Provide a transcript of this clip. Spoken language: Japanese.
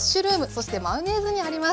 そしてマヨネーズにあります。